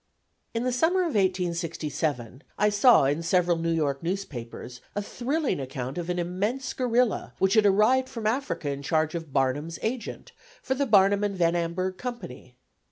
In the summer of 1867, I saw in several New York papers a thrilling account of an immense gorilla, which had arrived from Africa in charge of Barnum's agent, for the Barnum and Van Amburgh Company.